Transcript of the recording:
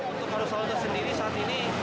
untuk arus awal itu sendiri saat ini